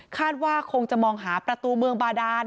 คาดว่าคงจะมองหาประตูเมืองบาดาน